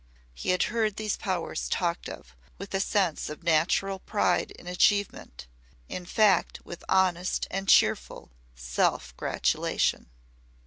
He had heard these powers talked of with a sense of natural pride in achievement, in fact with honest and cheerful self gratulation.